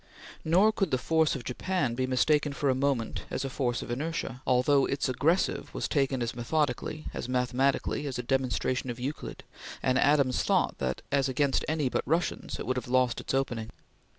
Nor could the force of Japan be mistaken for a moment as a force of inertia, although its aggressive was taken as methodically as mathematically as a demonstration of Euclid, and Adams thought that as against any but Russians it would have lost its opening.